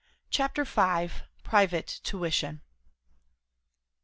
CHAPTER V. PRIVATE TUITION.